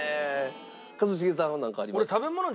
一茂さんはなんかありますか？